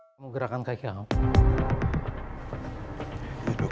kamu gerakan kaki aku